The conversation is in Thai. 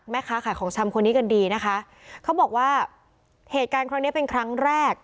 แม่ค้าขายของชำคนนี้กันดีนะคะเขาบอกว่าเหตุการณ์ครั้งเนี้ยเป็นครั้งแรก